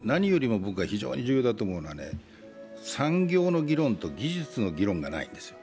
何よりも僕が非常に重要だと思うのは産業の議論と技術の議論がないんですよ。